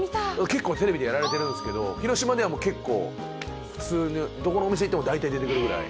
結構テレビでやられてるんですけど広島ではもう結構普通にどこのお店行っても大体出てくるぐらい。